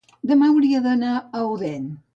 demà hauria d'anar a Odèn.